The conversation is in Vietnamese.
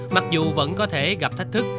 mặc dù vẫn có thể gặp thách thức